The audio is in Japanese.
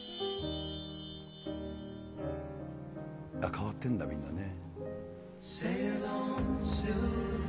変わってんだ、みんなね。